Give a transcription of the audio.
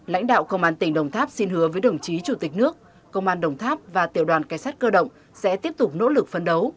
lãnh đạo công an tỉnh đồng tháp xin hứa với đồng chí chủ tịch nước công an đồng tháp và tiểu đoàn cảnh sát cơ động sẽ tiếp tục nỗ lực phấn đấu